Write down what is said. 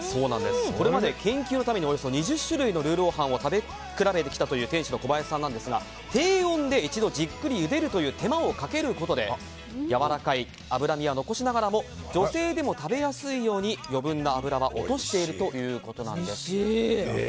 これまで研究のためにおよそ２０種類のルーロー飯を食べ比べてきたという店主の小林さんですが低温で一度じっくりゆでるという手間をかけることでやわらかい脂身は残しながらも女性でも食べやすいように余分な脂は落としているということなんです。